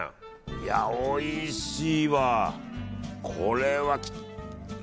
いや、おいしい！